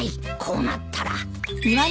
こうなったら